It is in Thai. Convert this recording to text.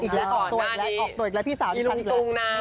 ออกตัวอีกลายพี่หนุนกุ้งน้ำ